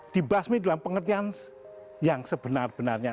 dibasmi dalam pengertian yang sebenar benarnya